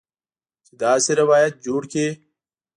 چې داسې روایت جوړ کړي